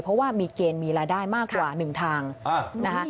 เพราะว่ามีเกณฑ์มีรายได้มากกว่าหนึ่งทางนะคะ